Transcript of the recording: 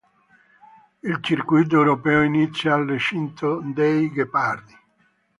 Il circuito europeo inizia al recinto dei ghepardi.